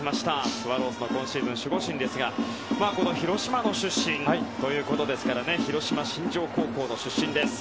スワローズの今シーズン守護神ですが広島の出身ということですから広島新庄高校の出身です。